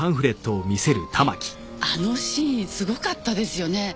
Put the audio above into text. ねえあのシーンすごかったですよねぇ。